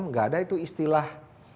tidak ada itu istilah